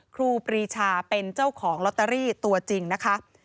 ครูปรีชาเป็นเจ้าของลอตเตอรี่ตัวจริงนะคะ